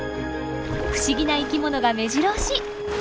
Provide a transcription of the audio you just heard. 不思議な生きものがめじろ押し。